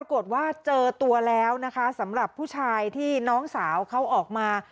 ว่าเจอตัวแล้วนะคะสำหรับผู้ชายที่น้องสาวเขาออกมา